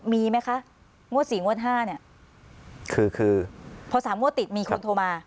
มีไหมคะงวดสี่งวดห้าเนี่ยคือคือพอสามงวดติดมีคนโทรมา